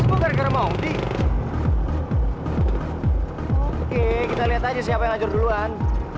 oke kita lihat aja siapa yang lajur duluan